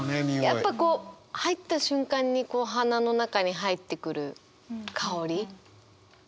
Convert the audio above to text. やっぱこう入った瞬間に鼻の中に入ってくる香り。